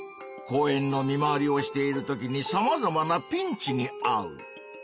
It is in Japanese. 公園の見回りをしているときにさまざまなピンチにあう。